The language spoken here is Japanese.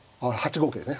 五桂ですね。